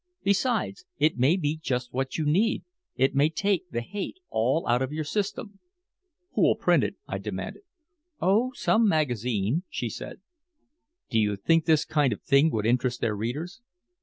Besides, it may be just what you need it may take the hate all out of your system." "Who'll print it?" I demanded. "Oh, some magazine," she said. "Do you think this kind of thing would interest their readers?"